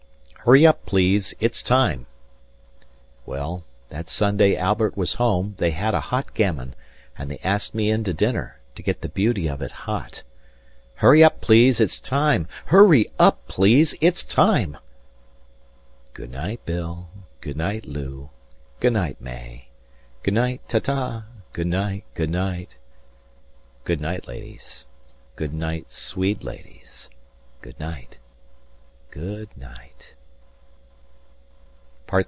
HURRY UP PLEASE ITS TIME 165 Well, that Sunday Albert was home, they had a hot gammon, And they asked me in to dinner, to get the beauty of it hot— HURRY UP PLEASE ITS TIME HURRY UP PLEASE ITS TIME Goonight Bill. Goonight Lou. Goonight May. Goonight. 170 Ta ta. Goonight. Goonight. Good night, ladies, good night, sweet ladies, good night, good night.